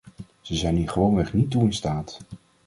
Ze zijn hier gewoonweg niet toe in staat.